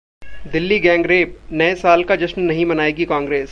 Delhi gang rape: नए साल का जश्न नहीं मनाएगी कांग्रेस